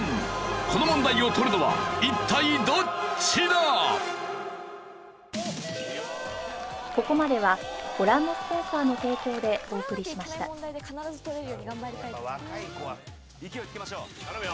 この問題を取るのは一体どっちだ！？を答えよ。